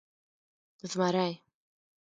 🦬 زمری